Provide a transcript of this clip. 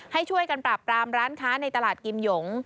ให้ช่วยกันปราบปรามร้านค้าในตลาดกิมหยง